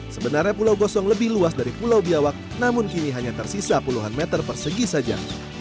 sebenarnya pulau gosong lebih luas dari pulau biawak namun kini hanya tersisa puluhan meter persegi saja